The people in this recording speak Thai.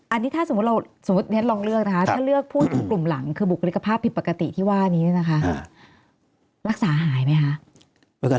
อันนี้ถ้าสมมุติเราสมมุติเรียนลองเลือกนะคะถ้าเลือกพูดถึงกลุ่มหลังคือบุคลิกภาพผิดปกติที่ว่านี้เนี่ยนะคะรักษาหายไหมคะ